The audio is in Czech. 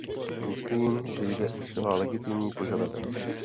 Myslím, že jde o zcela legitimní požadavek.